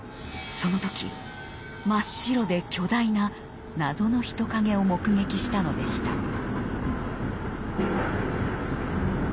その時真っ白で巨大な謎の人影を目撃したのでした。